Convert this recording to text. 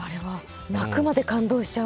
泣くまで感動しちゃう。